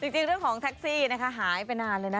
จริงเรื่องของแท็กซี่นะคะหายไปนานเลยนะ